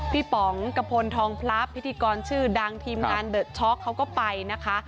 พี่ป๋องกระพลทองพลับพิธีกรชื่อดังทีมงานเขาก็ไปนะคะ